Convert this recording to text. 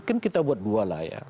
kan kita buat dua lah ya